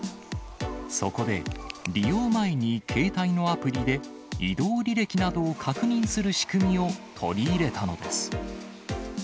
そこで、利用前に携帯のアプリで、移動履歴などを確認する仕組みを取り入れたのです。